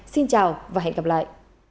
xin chào và hẹn gặp lại